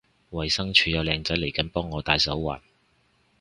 衛生署有靚仔嚟緊幫我戴手環